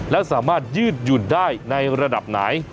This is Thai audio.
และสามารถยืดหยุ่นได้ในระดับไหน